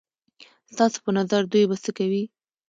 ستاسو په نظر دوی به څه کوي؟